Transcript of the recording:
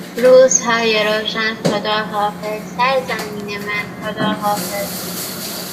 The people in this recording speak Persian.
روزهای روشن خداحافظ سرزمین من خداحافظ